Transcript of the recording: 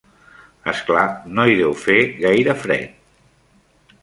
És clar, no hi deu fer gaire fred.